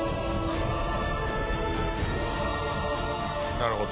なるほど。